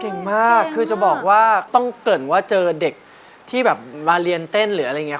เก่งมากคือจะบอกว่าต้องเกริ่นว่าเจอเด็กที่แบบมาเรียนเต้นหรืออะไรอย่างนี้